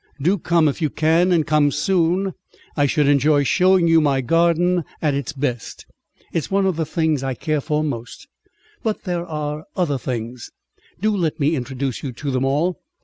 Do come if you can, and come soon. I should enjoy showing you my garden at its best. It's one of the things I care for most, but there are other things. Do let me introduce you to them all.